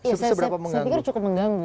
saya pikir cukup mengganggu